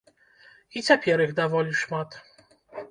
І цяпер іх даволі шмат.